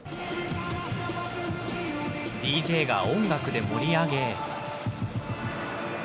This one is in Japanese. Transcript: ＤＪが音楽で盛り上げ。